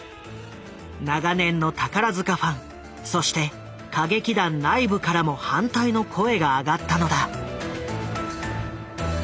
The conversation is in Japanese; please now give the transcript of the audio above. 長年の宝塚ファンそして歌劇団内部からも反対の声が上がったのだ。